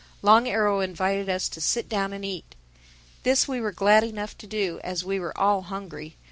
Long Arrow invited us to sit down and eat. This we were glad enough to do, as we were all hungry.